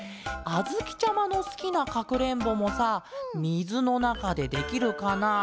あづきちゃまのすきなかくれんぼもさみずのなかでできるかな？